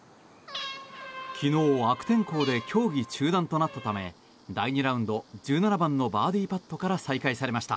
昨日、悪天候で競技中断となったため第２ラウンド１７番のバーディーパットから再開されました。